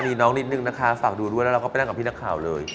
มีน้องนิดนึงนะคะฝากดูด้วยแล้วเราก็ไปนั่งกับพี่นักข่าวเลย